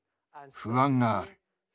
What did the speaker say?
不安がある。